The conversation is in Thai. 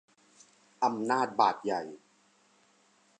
อำนาจบาตรใหญ่